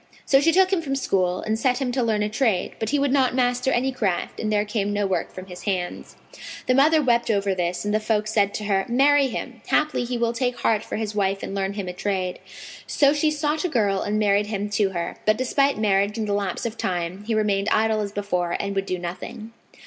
So she took him from school and set him to learn a trade; but he would not master any craft and there came no work from his hands. The mother wept over this and the folk said to her, "Marry him: haply he will take heart for his wife and learn him a trade." So she sought out a girl and married him to her; but, despite marriage and the lapse of time, he remained idle as before, and would do nothing.